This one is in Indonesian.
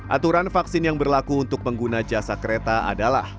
aturan vaksin yang berlaku untuk pengguna jasa kereta adalah